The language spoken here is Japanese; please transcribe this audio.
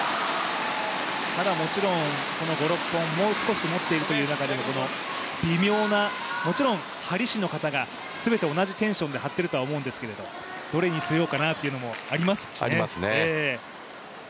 ただもちろん、５６本もう少し持っているという中でこの微妙なもちろん張り師の方がすべて同じテンションで張っているとは思うんですがどれにしようかなというのもありますしね。